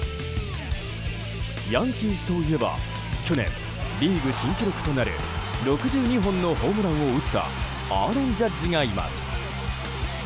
ヤンキースといえば去年、リーグ新記録となる６２本のホームランを打ったアーロン・ジャッジがいます。